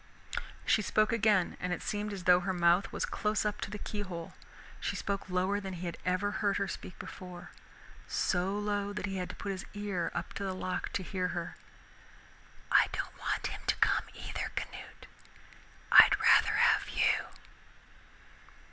She spoke again and it seemed as though her mouth was close up to the key hole. She spoke lower than he had ever heard her speak before, so low that he had to put his ear up to the lock to hear her. "I don't want him either, Canute, I'd rather have you."